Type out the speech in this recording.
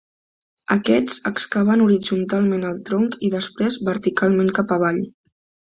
Aquests excaven horitzontalment al tronc i després verticalment cap avall.